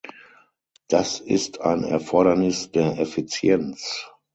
Das ist ein Erfordernis der Effizienz.